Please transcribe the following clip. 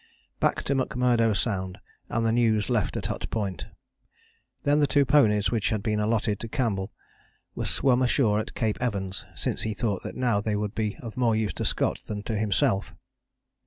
Back to McMurdo Sound, and the news left at Hut Point. Then the two ponies which had been allotted to Campbell were swum ashore at Cape Evans, since he thought that now they would be of more use to Scott than to himself.